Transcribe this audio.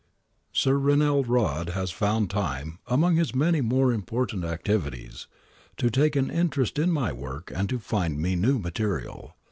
Sir Rennell Rodd has found time, among his many more important activities, to take an interest in my work and to find me new material.